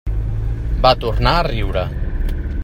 Va tornar a riure.